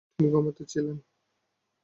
তিনি ক্ষমতায় ছিলেন।